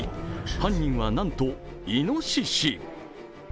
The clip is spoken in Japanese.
犯人はなんと、いのしし。